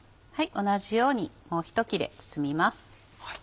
同じようにもう１切れ包みます。